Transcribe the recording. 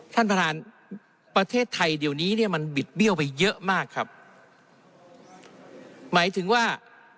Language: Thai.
ท่านประธานประเทศไทยเดี๋ยวนี้เนี่ยมันบิดเบี้ยวไปเยอะมากครับหมายถึงว่า